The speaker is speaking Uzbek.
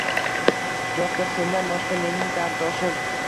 Yo‘qdir sendan boshqa mening darddoshim…